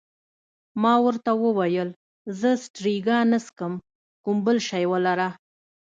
ما ورته وویل: زه سټریګا نه څښم، کوم بل شی ولره.